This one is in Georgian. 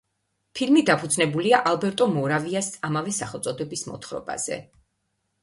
ფილმი დაფუძნებულია ალბერტო მორავიას ამავე სახელწოდების მოთხრობაზე.